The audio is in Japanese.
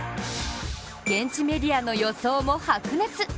現地メディアの予想も白熱。